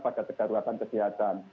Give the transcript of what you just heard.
pada tegak ruasan kesehatan